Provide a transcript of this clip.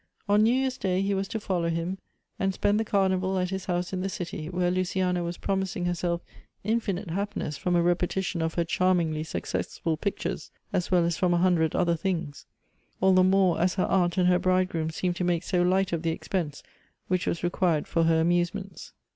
On New Year's day he was to follow him, and spend the Carnival at his house in the city, where Luciana was promising herself infinite happiness from a repetition of her charmingly successful pictures, as well as from a hundred other things ; all the more as her aunt Elective Affinities. 199 and her bridegroom seemed to make so light of the ex pense which was required for her amusements.